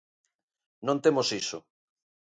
Non temos iso.